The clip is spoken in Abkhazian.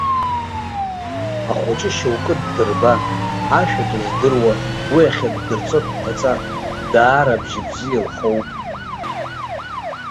Ахәыҷы шьоукы ддырба, ашәа атәы здыруа, уи ахьыддырҵо дҭаҵа, даара абжьы бзиа лхоуп.